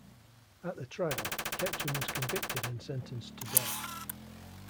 At the trial, Ketchum was convicted and sentenced to death.